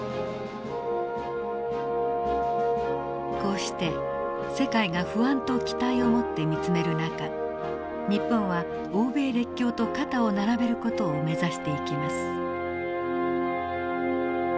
こうして世界が不安と期待を持って見つめる中日本は欧米列強と肩を並べる事を目指していきます。